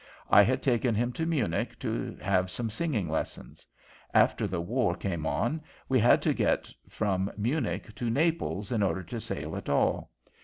I had taken him to Munich to have some singing lessons. After the war came on we had to get from Munich to Naples in order to sail at all.